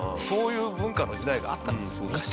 そういう文化の時代があったんです昔。